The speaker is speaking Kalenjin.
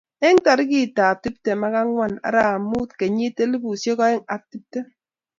Eng tarikitab tiptem ak angwan arap mut kenyit elipusiek oeng ak tiptem